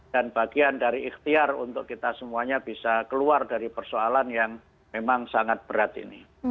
dan bagian dari ikhtiar untuk kita semuanya bisa keluar dari persoalan yang memang sangat berat ini